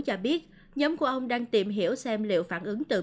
cho biết nhóm của ông đang tìm hiểu xem liệu phản ứng tự